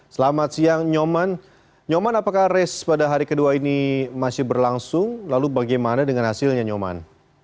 selamat siang nyoman nyoman apakah race pada hari kedua ini masih berlangsung lalu bagaimana dengan hasilnya nyoman